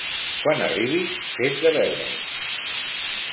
Quan arribis, fes de veure'l.